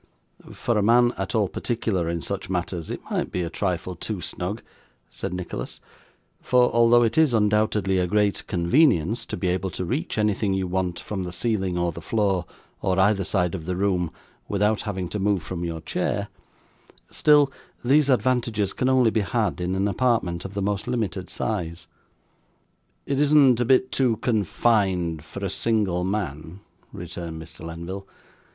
'For a man at all particular in such matters, it might be a trifle too snug,' said Nicholas; 'for, although it is, undoubtedly, a great convenience to be able to reach anything you want from the ceiling or the floor, or either side of the room, without having to move from your chair, still these advantages can only be had in an apartment of the most limited size.' 'It isn't a bit too confined for a single man,' returned Mr. Lenville.